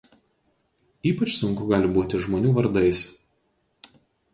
Ypač sunku gali būti žmonių vardais.